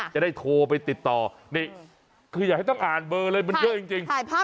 จะได้โทรไปติดต่อนี่คืออย่าให้ต้องอ่านเบอร์เลยมันเยอะจริง